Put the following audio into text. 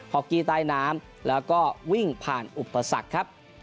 อกกี้ใต้น้ำแล้วก็วิ่งผ่านอุปสรรคครับ